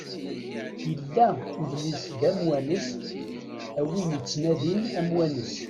Illa udlis d amwanes a wid ittnadin amwanes.